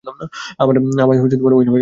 আমায় ওই নামে ডেকো না।